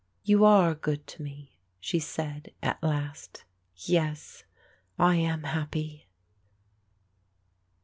"You are good to me," she said at last. "Yes, I am happy."